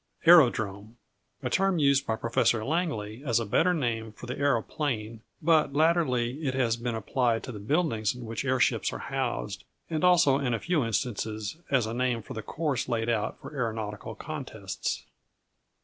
Aerodrome A term used by Professor Langley as a better name for the aeroplane; but latterly it has been applied to the buildings in which airships are housed, and also in a few instances, as a name for the course laid out for aeronautical contests.